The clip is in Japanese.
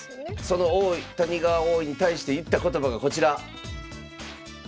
その谷川王位に対して言った言葉がこちら。